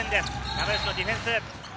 永吉のディフェンス。